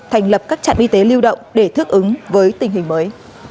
thành lập các trạng y tế lưu động để thức ứng với tình hình mới